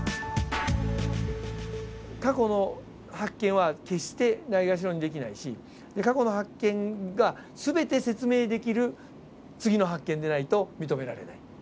過去の発見は決してないがしろにできないし過去の発見が全て説明できる次の発見でないと認められない。